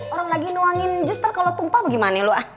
orang lagi nuangin juster kalo tumpah bagaimana lu ah